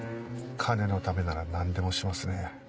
金のためなら何でもしますね。